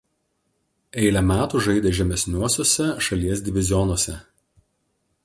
Eilę metų žaidė žemesniuosiuose šalies divizionuose.